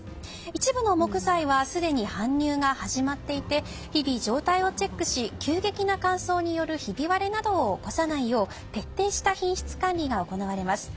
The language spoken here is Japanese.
一部の木材はすでに搬入が始まっていて日々、状態をチェックし急激な乾燥によるひび割れなどを起こさないよう、徹底した品質管理が行われます。